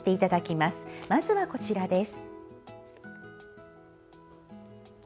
まずは、こちらです。